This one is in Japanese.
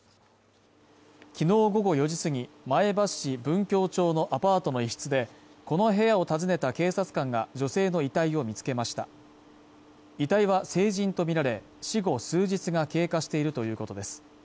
昨日午後４時過ぎ前橋市文京町のアパートの一室でこの部屋を訪ねた警察官が女性の遺体を見つけました遺体は成人とみられ死後数日が経過しているということです